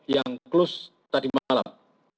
yang close tadi malam